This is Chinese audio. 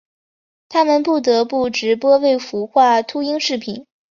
他们不得不直播未孵化秃鹰视频。